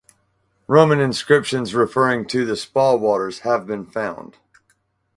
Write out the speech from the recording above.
Roman inscriptions referring to the spa waters have been found.